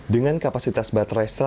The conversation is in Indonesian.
dengan kapasitas baterai